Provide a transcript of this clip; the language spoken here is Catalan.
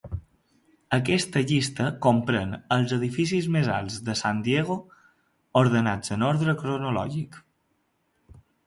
Aquesta llista comprèn als edificis més alts de San Diego ordenats en ordre cronològic.